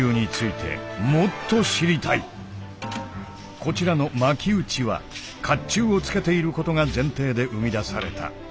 こちらの「巻打ち」は甲冑を着けていることが前提で生み出された。